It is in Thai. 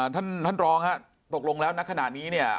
ท่านท่านรองครับตกลงแล้วณขณะนี้เนี่ย